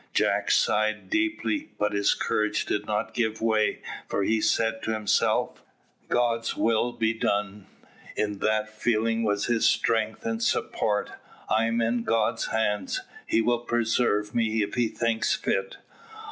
Jack sighed deeply, but his courage did not give way, for he said to himself, "God's will be done." In that feeling was his strength and support. "I am in God's hand, He will preserve me if He thinks fit."